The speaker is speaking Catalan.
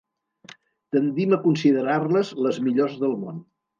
Tendim a considerar-les les millors del món.